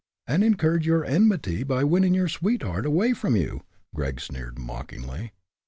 "And incurred your enmity by winning your sweetheart away from you!" Gregg sneered, mockingly.